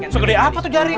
so gede apa tuh jaring